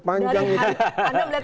anda melihatnya masih draft